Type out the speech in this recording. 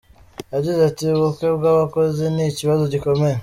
Yagize ati “ Ubuke bw’abakozi ni ikibazo gikomeye.